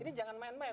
ini jangan main main